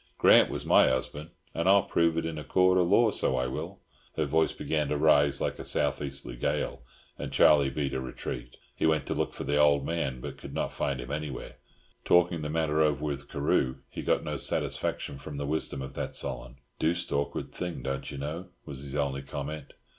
Grant was my husban', and I'll prove it in a coort of law, so I will!" Her voice began to rise like a south easterly gale, and Charlie beat a retreat. He went to look for the old man, but could not find him anywhere. Talking the matter over with Carew he got no satisfaction from the wisdom of that Solon. "Deuced awkward thing, don't you know," was his only comment.